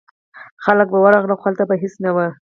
خلک به ورغلل خو هلته به هیڅ نه و.